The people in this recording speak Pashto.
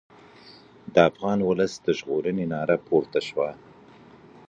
د افغان ولس د ژغورنې ناره پورته شوه.